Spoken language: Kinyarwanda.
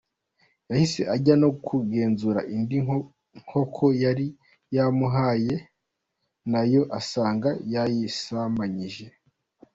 Yahise ajya no kugenzura indi nkoko yari yamuhaye, nayo asanga yayisambanyije .